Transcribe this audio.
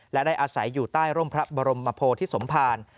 และได้อาศัยอยู่ใต้ร่มพระบรมโมโภที่สมพาล